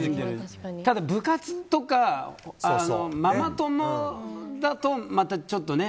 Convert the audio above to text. ただ部活とかママ友だとまたちょっとね。